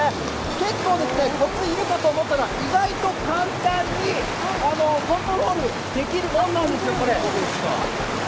結構、コツがいるかと思ったら意外と簡単にコントロールできるもんなんですよ。